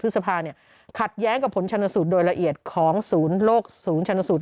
พฤษภาขัดแย้งกับผลชนสูตรโดยละเอียดของศูนย์โลกศูนย์ชนสูตร